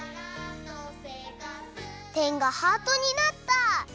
てんがハートになった！